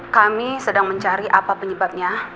kami sedang mencari apa penyebabnya